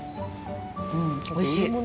うん、おいしい。